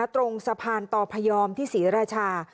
ตรงสะพานต่อพยอมที่ศรีราชา